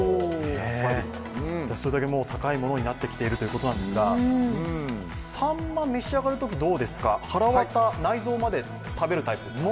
それだけ高いものになってきているということなんですが、さんま、召し上がるとき、はらわた、内臓まで食べるタイプですか？